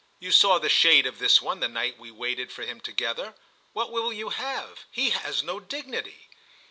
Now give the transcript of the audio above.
You saw the shade of this one the night we waited for him together. What will you have? He has no dignity."